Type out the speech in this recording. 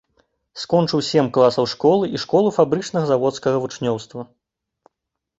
Скончыў сем класаў школы і школу фабрычна-заводскага вучнёўства.